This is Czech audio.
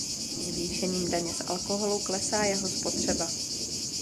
Zvýšením daně z alkoholu klesá jeho spotřeba.